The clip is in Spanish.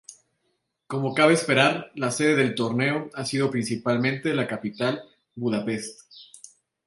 Como cabe esperar, la sede del torneo ha sido principalmente la capital, Budapest.